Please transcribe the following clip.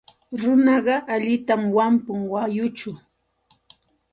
Runaqa allintam wampun mayuchaw.